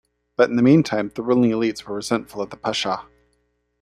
But in the meantime, the ruling elites were resentful of the Pasha.